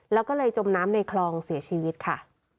แล้วก็เลยจมน้ำในคลองเสียชีวิตค่ะ